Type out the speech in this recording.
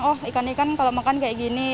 oh ikan ikan kalau makan kayak gini